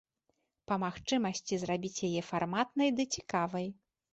Па магчымасці, зрабіць яе фарматнай ды цікавай.